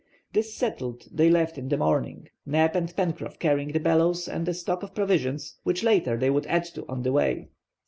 This settled, they left in the morning, Neb and Pencroff carrying the bellows and a stock of provisions, which latter they would add to on the way.